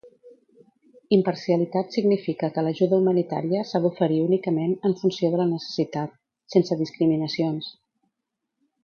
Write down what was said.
Imparcialitat significa que l'ajuda humanitària s'ha d'oferir únicament en funció de la necessitat, sense discriminacions.